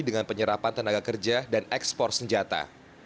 dengan penyerapan tenaga kerja dan ekspor senjata